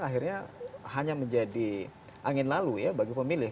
akhirnya hanya menjadi angin lalu ya bagi pemilih